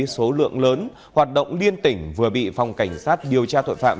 số lượng lớn hoạt động liên tỉnh vừa bị phòng cảnh sát điều tra tội phạm